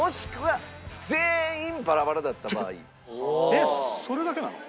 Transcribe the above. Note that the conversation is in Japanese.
えっそれだけなの？